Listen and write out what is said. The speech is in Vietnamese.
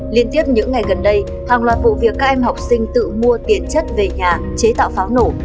liên tiếp những ngày gần đây hàng loạt vụ việc các em học sinh tự mua tiền chất về nhà chế tạo pháo nổ